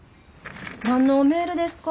何のメールですか？